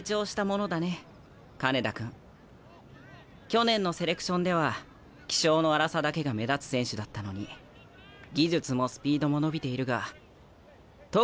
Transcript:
去年のセレクションでは気性の荒さだけが目立つ選手だったのに技術もスピードも伸びているが特に体幹だよね。